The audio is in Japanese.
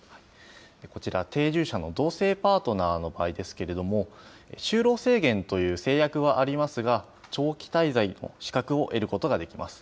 こちら、定住者の同性パートナーの場合ですけれども、就労制限という制約はありますが、長期滞在の資格を得ることができます。